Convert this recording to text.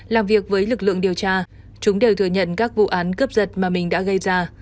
làm việc với lực lượng điều tra chúng đều thừa nhận các vụ án cướp giật mà mình đã gây ra